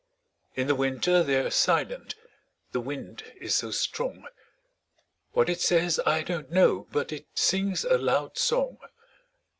In the winter they're silent the wind is so strong; What it says, I don't know, but it sings a loud song.